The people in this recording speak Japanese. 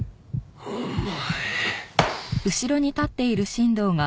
お前！